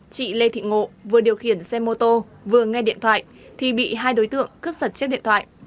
chị lê thị ngộ vừa điều khiển xe mô tô vừa nghe điện thoại thì bị hai đối tượng cướp giật chiếc điện thoại